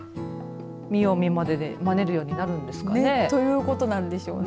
見よう見まねでまねるようになるんですかね。ということなんでしょうね。